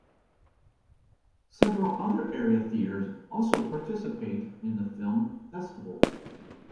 Several other area theaters also participate in the film festival.